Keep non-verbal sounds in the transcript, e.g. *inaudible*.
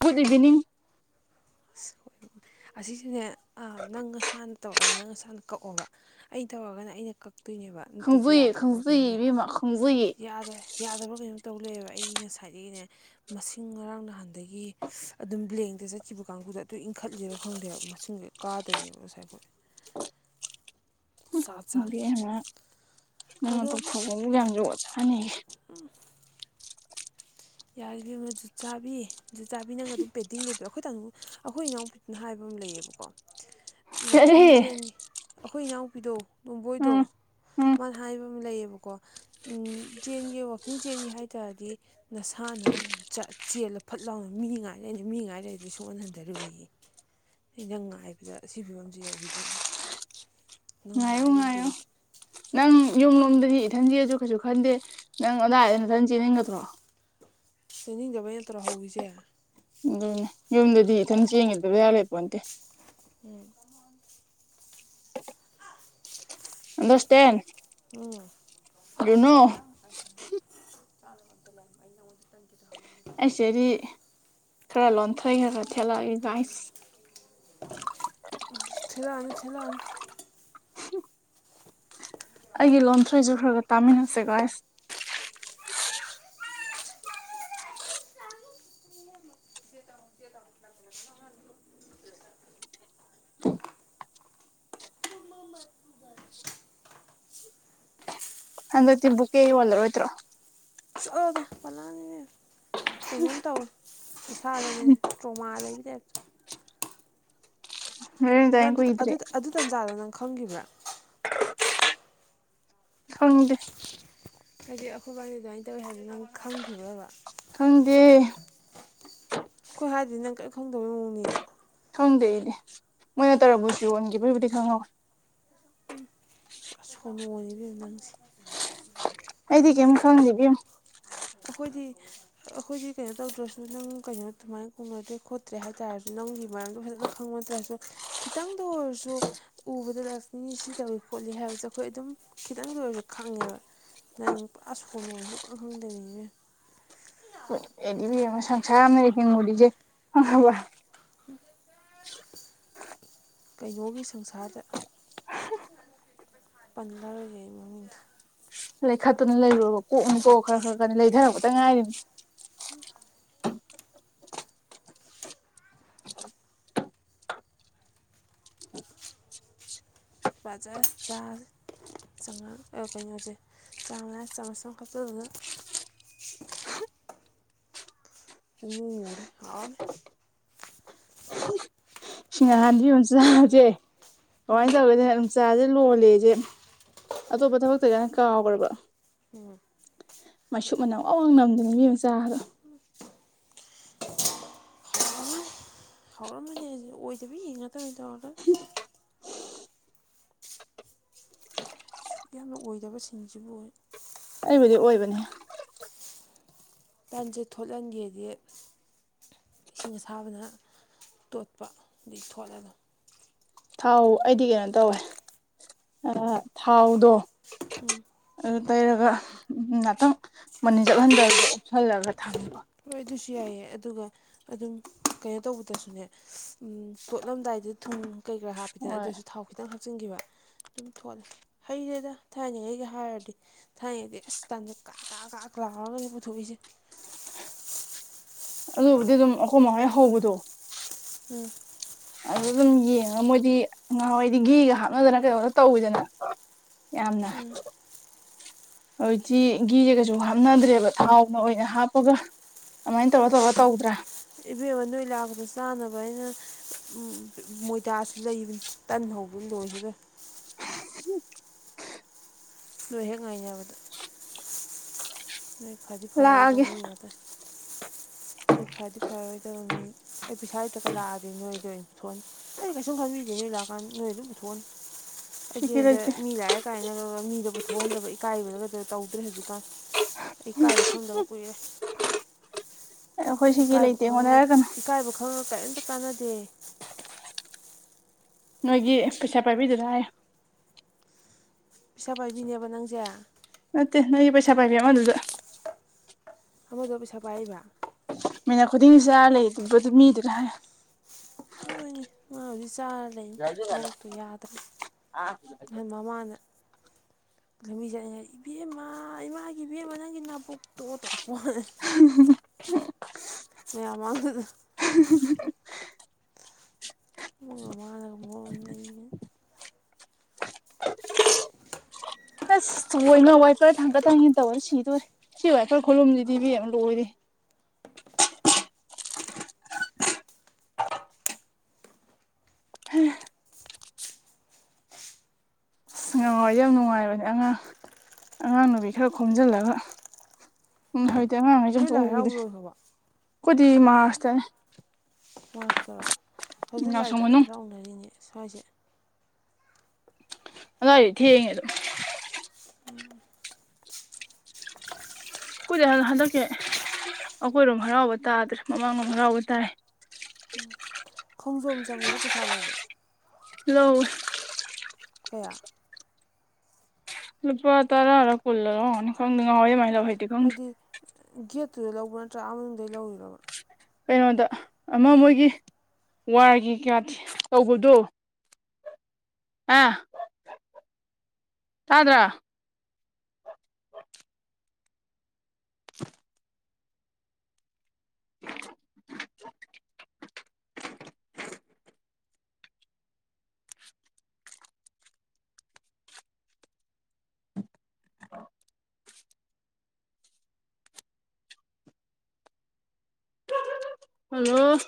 Good ꯏꯕꯤꯅꯤꯡ꯫ ꯑꯁ ꯑꯁꯤꯁꯤꯅꯦ ꯑꯥ ꯅꯪ ꯉꯁꯥꯅ ꯇꯧꯔꯛꯑꯅꯤ ꯅꯪ ꯑꯁꯥꯅ ꯀꯛꯑꯣꯕ ꯑꯩ ꯇꯧꯔꯒꯅ ꯑꯩꯅ ꯀꯛꯇꯣꯏꯅꯦꯕ꯫ ꯑꯝꯇꯗꯤ ꯈꯪꯖꯨꯌꯦ ꯌꯥꯗꯕ꯭ꯔꯥ ꯈꯪꯖꯩꯌꯦ ꯀꯔꯤ ꯏꯕꯦꯝꯃ ꯈꯪꯖꯩꯌꯦ *unintelligible* ꯌꯥꯗ꯭ꯔꯦ꯫ ꯌꯥꯗꯕ꯭ꯔꯥ ꯀꯩꯅꯣꯝ ꯇꯧ ꯂꯩꯕ ꯑꯩ ꯉꯁꯥꯏꯗꯒꯤꯅꯦ꯫ ꯃꯁꯤꯡ ꯉꯔꯥꯡ ꯅꯍꯥꯟꯗꯒꯤ ꯑꯗꯨꯝ ꯕ꯭ꯂꯦꯡꯗ ꯆꯠ ꯁꯤꯕꯨ ꯀꯥꯡꯕꯨꯗꯨꯗ ꯑꯗꯨ ꯏꯟꯈꯠꯂꯤꯔꯕ ꯈꯪꯗꯦꯕ ꯃꯁꯤꯡꯁꯦ ꯀꯥꯗꯣꯏꯅꯦꯕ ꯉꯁꯥꯏꯈꯣꯏꯅ꯫ ꯖꯥꯠ ꯖꯥꯠꯅꯤ ꯏꯕꯦꯝꯃ ꯅꯪꯅ ꯇꯧꯊꯣꯛꯄꯕꯨ ꯀꯌꯥꯝ ꯖꯨꯒꯣꯠ ꯆꯅꯤꯒꯦ꯫ ꯎꯝ꯫ ꯌꯥꯔꯦ ꯏꯕꯦꯝꯃ ꯖꯨꯠ ꯆꯥꯕꯤ ꯖꯨꯠꯆꯥꯕꯤ ꯅꯪꯒ ꯑꯗꯨꯝ ꯄꯦꯟꯇꯤꯡ ꯂꯩꯕꯗꯣ ꯑꯩꯈꯣꯏ ꯇꯥꯃꯣ ꯑꯩꯈꯣꯏ ꯏꯅꯥꯎ ꯅ ꯍꯥꯏꯕ ꯑꯃ ꯂꯩꯌꯦꯕꯀꯣ꯫ *unintelligible* ꯋꯥꯛꯀꯤꯡ ꯆꯦꯟꯅꯤ ꯑꯩꯈꯣꯏ ꯏꯅꯥꯎꯄꯤꯗꯣ ꯇꯣꯝꯕꯣꯏꯗꯣ ꯎꯝ ꯎꯝ ꯃꯥꯅ ꯍꯥꯏꯕ ꯂꯩꯌꯦꯕꯀꯣ ꯆꯦꯟꯒꯦ ꯋꯥꯛꯀꯤꯡ ꯆꯦꯟꯒꯦ ꯍꯥꯏꯇꯥꯥꯔꯗꯤ꯫ ꯅꯁꯥꯅ ꯆꯦꯠ ꯆꯦꯜꯂ ꯐꯠ ꯂꯥꯎꯅ ꯃꯤ ꯉꯥꯏꯅ ꯃꯤ ꯉꯥꯏꯂꯩꯔꯗꯤ ꯁꯨꯡꯍꯟ ꯍꯟꯊꯔꯣꯏꯌꯦ꯫ ꯑꯩꯅꯪ ꯉꯥꯏꯕꯗ ꯁꯤ ꯐꯤꯕꯝꯁꯤ ꯌꯧꯈꯤꯗꯣꯏꯅꯤ ꯑꯗꯣ ꯅꯪ ꯉꯥꯏꯌꯨ ꯉꯥꯏꯕ ꯉꯥꯏꯌꯨ ꯂꯣꯏꯗꯦ ꯅꯪ ꯌꯨꯝꯂꯣꯝꯗꯗꯤ ꯏꯊꯟ ꯆꯦꯟꯕꯁꯨ ꯀꯩꯁꯨ ꯈꯟꯗꯦ ꯅꯪ ꯑꯗꯥꯏꯗ ꯅꯊꯟ ꯆꯦꯟꯅꯤꯡꯒꯗꯔꯣ꯫ ꯆꯪꯅꯤꯡꯗꯕꯩ ꯅꯠꯇ꯭ꯔꯣ ꯍꯧꯔꯤꯁꯦ꯫ ꯑꯗꯨꯅꯦ ꯌꯨꯝꯗꯗꯤ ꯏꯊꯟ ꯆꯦꯟꯒꯤꯕꯗ ꯕꯦꯔ ꯂꯩ ꯄꯣꯟꯇꯦ꯫ ꯎꯝ꯫ Understand YONO. *unintelligible* ꯑꯩꯁꯦꯗꯤ ꯈꯔ ꯂꯣꯟꯊ꯭ꯔꯩ ꯑꯣꯏꯅ ꯊꯦꯠꯂꯛꯑꯒꯦ ꯒꯥꯏꯁ꯫ ꯊꯦꯠꯂꯛꯑꯅꯨ ꯊꯦꯠꯂꯛꯑꯅꯨ꯫ ꯑꯩꯒꯤ ꯂꯣꯟꯊ꯭ꯔꯩꯖꯨ ꯈꯔ ꯈꯔ ꯇꯥꯃꯤꯟꯅꯁꯦ ꯒꯥꯏꯁ꯫ *unintelligible* ꯍꯟꯗꯛꯇꯤ ꯕꯨꯀꯦ ꯌꯣꯜꯂꯔꯣꯏꯗ꯭ꯔꯣ꯫ ꯆꯠꯂꯣꯗ ꯄꯜꯂꯛꯑꯅꯨ ꯏꯕꯦꯝꯃꯥ ꯀꯩꯅꯣꯝ ꯇꯧꯏ꯫ ꯏꯁꯥꯗꯅꯦ ꯇ꯭ꯔꯣꯃꯥ ꯂꯩꯕꯩ ꯇꯥꯏꯞ ꯅꯪ ꯚꯦꯂꯦꯟꯇꯥꯏꯟ ꯑꯗꯨ ꯇ ꯀꯨꯏꯗ꯭ꯔꯦ ꯑꯗꯨ ꯇ ꯑꯗꯨ ꯇꯟꯖꯥꯗꯣ ꯅꯪ ꯈꯪꯒꯤꯕ꯭ꯔꯥ꯫ ꯈꯪꯗꯦ꯫ ꯍꯥꯏꯗꯤ ꯑꯈꯣꯏꯕꯅꯤ ꯑꯗꯨꯃꯥꯏꯅ ꯇꯧꯋꯤ ꯍꯥꯏꯕꯗꯨ ꯅꯪ ꯈꯪꯒꯤꯕ꯭ꯔꯥꯕ꯫ ꯈꯪꯗꯦ꯫ ꯑꯈꯣꯏ ꯍꯥꯏꯗ꯭ꯔꯗꯤ ꯅꯪ ꯀꯔꯤꯝ ꯈꯪꯗꯕꯩ ꯃꯑꯣꯡꯅꯤꯅꯦ꯫ ꯈꯪꯗꯦ ꯑꯩꯗꯤ ꯃꯣꯏꯅ ꯇꯔꯥꯕꯨꯁ ꯌꯣꯟꯒꯤꯕꯩꯕꯨꯗꯤ ꯈꯪꯍꯧꯋꯦ꯫ ꯄꯨꯔꯥ ꯁꯣꯅꯣꯅꯤ ꯏꯕꯦꯝꯃꯥ ꯅꯪꯖꯦ꯫ ꯑꯩꯗꯤ ꯀꯌꯤꯝ ꯈꯪꯗꯦ ꯏꯕꯦꯝꯃꯥ꯫ ꯑꯈꯣꯏꯗꯤ꯫ ꯑꯈꯣꯏꯗꯤ ꯀꯩꯅꯣ ꯇꯧꯗ꯭ꯔꯖꯨ ꯅꯪ ꯀꯩꯅꯣ ꯑꯗꯨꯨꯃꯥꯏꯅ ꯀꯧꯅꯗ꯭ꯔꯦ ꯈꯣꯠꯇ꯭ꯔꯦ ꯍꯥꯏꯇꯥꯥꯔꯖꯨ ꯅꯪꯒꯤ ꯃꯔꯝꯗꯣ ꯐꯖꯅ ꯈꯪꯕ ꯅꯠꯇꯔꯁꯨ ꯈꯤꯇꯪꯗ ꯑꯣꯏꯔꯁꯨ ꯎꯕꯗꯗ ꯃꯤꯁꯤ ꯁꯤ ꯇꯧꯋꯤ ꯈꯣꯠꯂꯤ ꯍꯥꯏꯕꯁꯦ ꯑꯈꯣꯏ ꯑꯗꯨꯝ ꯈꯤꯇꯪꯗ ꯑꯣꯏꯔꯁꯨ ꯈꯪꯉꯦꯕ꯫ ꯅꯪ ꯄꯨꯔꯥ ꯁꯣꯅꯣ ꯁꯨꯈꯪ ꯈꯪꯗꯕꯤꯅꯦ ꯏꯕꯦꯝꯃꯥ꯫ ꯏꯕꯦꯝꯃ ꯁꯪꯁꯥꯔ ꯑꯃꯗ ꯍꯤꯡꯉꯨꯔꯤꯖꯦ ꯈꯪꯉꯕꯥ꯫ ꯀꯩꯅꯣꯒꯤ ꯁꯪꯁꯥꯔꯗ꯫ ꯄꯟꯂꯔꯣꯏꯒꯣ ꯑꯩ ꯃꯃꯤꯡꯗꯣ꯫ ꯂꯩꯈꯠꯇꯨꯅ ꯂꯩꯔꯨꯔꯕ ꯀꯣꯛꯅꯤꯀꯣ ꯈꯔ ꯈꯔ ꯀꯅꯤ ꯂꯩꯗꯔꯛꯄꯇ ꯉꯥꯏꯔꯤꯝꯅꯤ ꯍꯨꯝ ꯄꯖꯁ ꯆꯥꯔꯖꯦ ꯆꯥꯉꯥꯡ ꯑ ꯀꯩꯅꯣꯖꯦ ꯆꯥꯝꯃꯅꯥ ꯆꯥꯝꯃꯁ ꯑꯝ ꯍꯥꯞꯆꯤꯜꯂꯨꯗ ꯄꯨꯡꯃꯨ ꯃꯨꯔꯦ ꯍꯥꯎꯔꯅꯤ ꯁꯤꯡ ꯉꯍꯥꯟꯗꯤ ꯑꯨꯝ ꯆꯥꯖꯦ ꯀꯃꯥꯏꯅ ꯎꯝ ꯇꯧꯒꯦꯗꯅꯦ ꯑꯗꯨꯝ ꯆꯥꯖꯦ ꯂꯣꯜꯂꯦꯖꯦ ꯑꯇꯣꯞꯄ ꯊꯕꯛ ꯇꯧꯔꯤꯀꯥꯟꯗ ꯀꯥꯎꯒ꯭ꯔꯕ ꯃꯥꯏꯁꯨꯨꯞ ꯃꯅꯝ ꯋꯥꯡ ꯋꯥꯡ ꯅꯝꯗꯅ ꯏꯕꯦꯝꯃꯥ ꯆꯥꯗꯣ ꯎꯝ ꯍꯥꯎꯔꯝꯃꯥꯅꯤ ꯑꯗꯨꯗꯤ ꯑꯣꯏꯗꯕꯤ ꯉꯥꯛꯇ ꯑꯣꯏꯅ ꯇꯧꯔꯗꯅ ꯅꯪꯅ ꯑꯣꯏꯗꯕ ꯁꯤꯡꯖꯤꯕꯨ ꯑꯩꯕꯨꯗꯤ ꯑꯣꯏꯕꯅꯦ ꯇꯟꯖꯦ ꯊꯣꯠꯍꯜꯒꯦꯗꯤ ꯏꯁꯤꯡ ꯑꯁꯥꯕꯅ ꯇꯣꯠꯄ ꯑꯗꯣꯏ ꯊꯣꯠꯂꯒꯗꯧꯅꯤ ꯊꯥꯎ ꯑꯩꯗꯤ ꯀꯩꯅꯣ ꯇꯧꯋꯦ ꯑ ꯊꯥꯎꯗꯣ ꯑꯗꯨ ꯇꯩꯔꯒ ꯉꯥꯛꯇꯪ ꯃꯅꯤꯟ ꯆꯠꯍꯟꯗꯕꯤꯗ ꯎꯨꯞꯁꯤꯜꯂꯒ ꯊꯝꯕ ꯍꯣꯏ ꯑꯗꯨꯁꯨ ꯌꯥꯏꯌꯦ ꯑꯗꯨꯒ ꯑꯗꯨꯝ ꯀꯩꯅꯣ ꯇꯧꯕꯗꯁꯨꯅꯦ ꯎꯝ ꯇꯣꯠꯂꯝꯗꯥꯏꯗ ꯊꯨꯝ ꯀꯩ ꯀꯔꯥ ꯍꯥꯞꯄꯤꯗꯅ ꯍꯣꯏ ꯑꯗꯣꯏꯁꯨ ꯊꯥꯎ ꯈꯤꯇꯪ ꯍꯥꯞꯆꯤꯟꯈꯤꯕ ꯑꯗꯨꯝ ꯊꯣꯠꯂꯦ ꯍꯩꯔꯦꯗ ꯊꯥꯏꯅꯉꯩꯒ ꯍꯥꯏꯔꯗꯤ ꯊꯥꯏꯅꯗꯤ ꯑꯁ ꯇꯟꯖꯦ ꯀꯥꯛ ꯀꯥꯛ ꯀꯥꯛ ꯂꯥꯎꯔꯒꯅꯤ ꯄꯨꯊꯣꯛꯏꯖꯦ ꯑꯗꯨꯕꯨꯗꯤ ꯑꯗꯨꯝ ꯑꯈꯣꯏ ꯃꯥꯍꯣꯏ ꯍꯧꯕꯗꯣ ꯎꯝ ꯑꯗꯗꯨꯝ ꯌꯦꯡꯉꯒ ꯃꯣꯏꯗꯤ ꯉꯍꯥꯋꯥꯏꯗꯤ ꯘꯤꯒ ꯍꯥꯞꯅꯗꯅ ꯀꯩꯗꯧꯗꯅ ꯇꯧꯋꯤꯗꯅ ꯌꯥꯝꯅ꯫ ꯍꯧꯖꯤꯛꯇꯤ ꯒꯤꯅ ꯀꯩꯁꯨ ꯍꯥꯞꯅꯗ꯭ꯔꯦꯕ ꯊꯥꯎꯅ ꯑꯣꯏꯅ ꯍꯥꯞꯄꯒ꯫ ꯑꯗꯨꯃꯥꯏꯅ ꯇꯧꯔ ꯎꯝ ꯇꯧꯔ ꯇꯧꯗ꯭ꯔꯥ꯫ ꯏꯕꯦꯝꯃ ꯅꯣꯏ ꯂꯥꯛꯄꯗ ꯆꯥꯅꯕ ꯑꯩꯅ ꯃꯣꯏꯗꯥꯁꯤ ꯂꯩꯕꯅꯤ꯫ ꯇꯟꯍꯧꯕꯗ ꯂꯣꯏꯈꯤꯗꯣꯔꯦ꯫ *unintelligible* ꯅꯣꯏ ꯍꯦꯛ ꯉꯥꯏꯅꯕꯗ꯫ ꯅꯣꯏ ꯐꯗꯤ ꯐꯥꯔꯔꯣꯏꯗꯕ ꯂꯥꯛꯑꯒꯦ ꯃꯤ ꯉꯥꯛꯇꯅꯤ꯫ *inaudible* ꯅꯣꯏ ꯐꯗꯤ ꯐꯔꯔꯣꯏꯗꯕ ꯃꯤ ꯑꯩ ꯄꯩꯁꯥ ꯂꯩꯇꯒꯟ ꯂꯥꯛꯑꯗꯤ ꯅꯣꯏꯗ ꯑꯣꯏꯅ ꯄꯨꯊꯣꯛꯍꯟ ꯑꯩ ꯀꯩꯁꯨꯝ ꯈꯪꯕꯤꯗꯦ ꯅꯣꯏ ꯂꯥꯛꯑꯀꯥꯟꯗ ꯅꯣꯏ ꯑꯗꯨꯝ ꯄꯨꯠꯊꯣꯛꯍꯟꯅꯤ꯫ *unintelligible* ꯑꯩꯗꯤ ꯂꯩꯇꯦ ꯍꯟꯗꯛ ꯃꯤ ꯂꯥꯑꯦꯀꯥꯏꯅꯒ ꯃꯤꯗ ꯄꯨꯊꯣꯛꯍꯟꯗꯕ ꯏꯀꯥꯏꯕꯗꯨꯒ ꯇꯧꯗ꯭ꯔꯦ ꯍꯧꯖꯤꯛꯀꯥꯟ꯫ ꯑꯩ ꯏꯀꯥꯏꯕ ꯈꯪꯗꯕ ꯀꯨꯏꯔꯦ꯫ ꯑꯩꯈꯣꯏ ꯁꯤꯒꯤ ꯏꯀꯥꯏꯕ ꯂꯩꯇꯦ ꯑꯩꯉꯣꯟꯗ ꯈꯪꯉꯥ ꯍꯥꯏꯔꯛꯀꯅꯨ ꯏꯀꯥꯏꯕ ꯈꯪꯉꯒ ꯀꯔꯤꯝꯇ ꯀꯥꯟꯅꯗꯦ꯫ ꯅꯣꯏꯒꯤ ꯄꯩꯁꯥ ꯄꯥꯏꯕꯤꯗꯨꯅ ꯍꯥꯏꯌꯨ꯫ ꯄꯤꯁꯥ ꯄꯥꯏꯕꯤꯅꯦꯕ ꯅꯪꯖꯦ꯫ ꯅꯥꯇꯦ ꯅꯣꯏꯒꯤ ꯄꯩꯁꯥ ꯄꯥꯏꯕꯤ ꯑꯃ ꯑꯗꯨꯗ꯫ ꯑꯃꯗꯣ ꯄꯩꯁꯥ ꯄꯥꯏꯔꯤꯕ꯫ ꯃꯤꯅꯠ ꯈꯨꯗꯤꯡꯒꯤ ꯆꯔ ꯂꯩꯔꯤꯕ ꯃꯤꯗꯨꯗ ꯍꯥꯏꯌꯨ꯫ ꯍꯣꯏꯅꯦ ꯃꯥꯕꯨꯗꯤ ꯆꯥꯔꯗ ꯂꯩꯅꯤ ꯃꯕꯨꯣꯛꯛꯇꯨ ꯌꯥꯗ꯭ꯔꯦ꯫ ꯑ꯫ ꯅꯍꯥꯟ ꯃꯃꯥꯅ꯫ ꯂꯝꯕꯤ ꯆꯠꯂꯤꯉꯩꯗ ꯏꯕꯦꯝꯃ ꯏꯃꯥꯒꯤ ꯏꯕꯦꯝꯃ ꯅꯪꯒꯤ ꯅꯥꯕꯨꯛꯇꯣ ꯇꯧꯔꯛꯄꯣꯋꯥꯅꯤ꯫ *unintelligible* ꯃꯌꯥꯝ ꯃꯥꯡꯗꯨꯗ꯫ ꯃꯣꯏ ꯃꯃꯥꯅꯒ ꯃꯔꯣꯟ ꯑꯃ ꯅꯩꯕꯅꯦ꯫ ꯑꯣꯏꯃ ꯋꯥꯏꯄꯔ ꯊꯥꯡꯒꯠ ꯊꯥꯡꯖꯤꯟ ꯇꯧꯕꯗꯁꯤꯗꯣꯔꯦ ꯁꯤ ꯋꯥꯏꯄꯔ ꯈꯨꯣꯂꯨꯝꯁꯤꯗꯤ ꯏꯕꯦꯝ ꯂꯣꯏꯔꯦ꯫ *unintelligible* ꯑꯁ ꯉꯍꯟꯋꯥꯏꯗꯤ ꯌꯥꯝ ꯅꯨꯡꯉꯥꯏꯕꯅꯦ ꯑꯉꯥꯡ ꯑꯉꯥꯡ ꯅꯨꯨꯄꯤ ꯈꯔ ꯈꯣꯝꯖꯤꯜꯂꯒ꯫ ꯎꯝ ꯍꯧꯖꯤꯛꯇꯤ ꯑꯉꯥꯡꯈꯩꯁꯨ ꯅꯣꯏ ꯑꯃꯇ ꯂꯥꯏ ꯍꯔꯥꯎꯕ ꯎꯈꯤꯗ꯭ꯔꯦ ꯂꯣꯏꯈ꯭ꯔꯕꯣ ꯀꯗꯤ ꯃꯥꯔꯁꯇꯅꯦ꯫ ꯄꯣꯠꯇꯣ ꯍꯧꯖꯤꯛ ꯂꯥꯏ ꯀꯟꯅ ꯃꯅꯨꯡ ꯍꯔꯥꯎꯅꯔꯤꯅꯦ ꯁ꯭ꯋꯥꯏꯁꯦ꯫ ꯅꯣꯏꯗꯨ ꯊꯦꯡꯉꯦ ꯑꯗꯨ꯫ ꯑꯩꯈꯨꯏꯗ ꯍꯟꯗꯛꯀꯤ ꯑꯩꯈꯣꯏꯔꯣꯝ ꯍꯔꯥꯎꯕ ꯇꯥꯗ꯭ꯔꯦ ꯃꯃꯥꯡꯂꯣꯝ ꯍꯔꯥꯎꯕ ꯇꯥꯏ꯫ ꯈꯣꯡꯖꯣꯝ ꯆꯪꯕꯁꯦ ꯄꯩꯁꯥ ꯂꯧꯕ꯭ꯔꯥ꯫ ꯂꯧꯏ꯫ ꯀꯌꯥ꯫ ꯂꯨꯄꯥ ꯇꯔꯥꯔ ꯀꯨꯜꯂ ꯂꯧꯔꯝꯒꯅꯤ ꯈꯪꯗꯦ ꯅꯍꯥꯟꯋꯥꯏꯗꯤ ꯑꯗꯨꯃꯥꯏꯅꯂꯧ ꯍꯥꯏꯗꯤ ꯒꯦꯠꯇꯨꯗ ꯂꯧꯕ ꯅꯠꯇ꯭ꯔꯣ ꯃꯅꯨꯡꯗꯩ ꯂꯧꯔꯤꯔꯣꯕ꯫ ꯀꯩꯅꯣꯗ ꯑꯃ ꯃꯣꯏꯒꯤ ꯋꯥꯔꯒꯤ ꯀꯌꯥ ꯇꯧꯕꯗꯣ꯫ ꯑ ꯇꯥꯗꯔꯥ꯫ *inaudible* *unintelligible* ꯍꯜꯂꯣ꯫